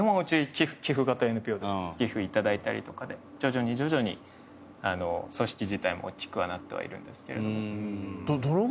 寄付頂いたりとかで徐々に徐々に組織自体も大きくはなってはいるんですけれども。